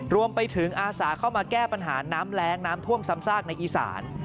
รวมไปถึงอาสาเข้ามาแก้ปัญหาน้ำแรงน้ำท่วมซ้ำซากในอีสาน